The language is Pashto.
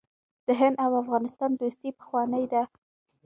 د هند او افغانستان دوستي پخوانۍ ده.